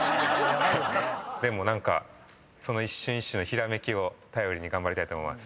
でも何か一瞬一瞬のひらめきを頼りに頑張りたいと思います。